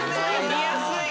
見やすい。